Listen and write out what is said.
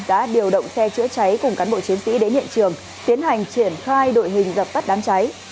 đã điều động xe chữa cháy cùng cán bộ chiến sĩ đến hiện trường tiến hành triển khai đội hình dập tắt đám cháy